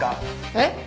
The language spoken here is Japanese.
えっ？